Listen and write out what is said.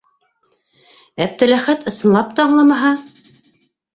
Әптеләхәт ысынлап та аңламаһа?